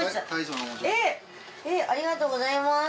ありがとうございます。